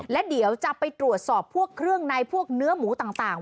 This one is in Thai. และเดี๋ยวจะไปตรวจสอบพวกเครื่องในพวกเนื้อหมูต่าง